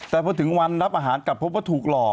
แต่พอถึงวันรับอาหารมาแล้วก็รีบออก